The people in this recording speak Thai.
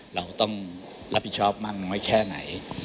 เราต้องรับผิดชอบมากน้อยแค่ไหน